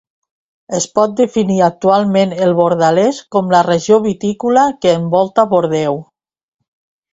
Es pot definir actualment el Bordelès com la regió vitícola que envolta Bordeu.